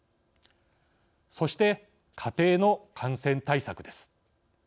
そして、家庭の感染対策です。